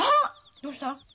どうした？